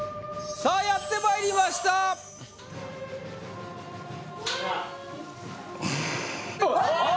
さあやってまいりましたおっ！